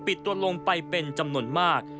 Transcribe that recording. ตัวลงไปเป็นจำนวนมาก